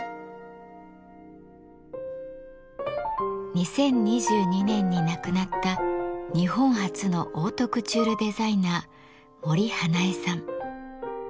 ２０２２年に亡くなった日本初のオートクチュールデザイナー森英恵さん。